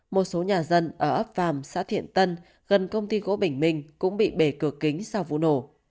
một số nhà dân ở ấp vàm xã thiện tân gần công ty gỗ bình minh cũng bị bề cửa kính sau vụ nổ